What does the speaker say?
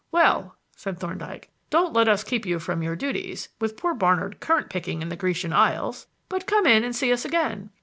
"Well," said Thorndyke, "don't let us keep you from your duties, with poor Barnard currant picking in the Grecian Isles. But come in and see us again.